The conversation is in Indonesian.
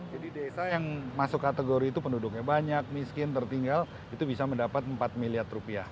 jadi desa yang masuk kategori itu penduduknya banyak miskin tertinggal itu bisa mendapat rp empat miliar